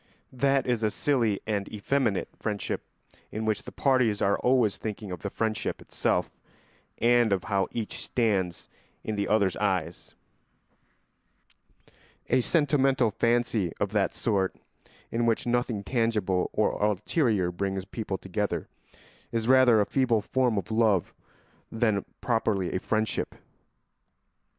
That is a silly and effeminate friendship in which the parties are always thinking of the friendship itself and of how each stands in the other's eyes; a sentimental fancy of that sort, in which nothing tangible or ulterior brings people together, is rather a feeble form of love than properly a friendship.